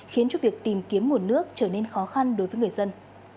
khiến cho việc tìm kiếm nguồn nước trở nên khó khăn đối với người dân